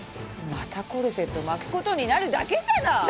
またコルセット巻くことになるだけじゃない。